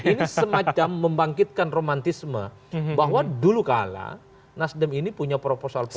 ini semacam membangkitkan romantisme bahwa dulu kala nasdem ini punya proposal politik